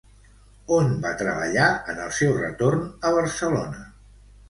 On va treballar en el seu retorn a Barcelona?